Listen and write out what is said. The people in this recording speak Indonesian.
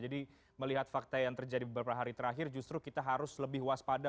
jadi melihat fakta yang terjadi beberapa hari terakhir justru kita harus lebih waspada